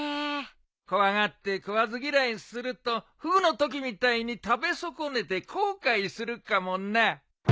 怖がって食わず嫌いするとフグのときみたいに食べ損ねて後悔するかもな。